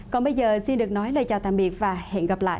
còn bây giờ xin được nói lời chào tạm biệt và hẹn gặp lại